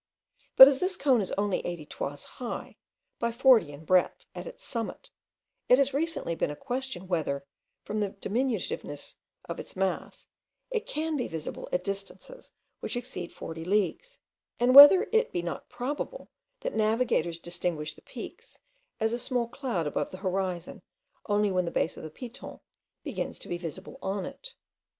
But as this cone is only 80 toises high, by 40 in breadth at its summit, it has recently been a question whether, from the diminutiveness of its mass, it can be visible at distances which exceed 40 leagues; and whether it be not probable, that navigators distinguish the peaks as a small cloud above the horizon, only when the base of the Piton begins to be visible on it.